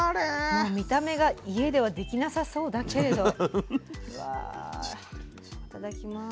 もう見た目が家ではできなさそうだけれどうわいただきます。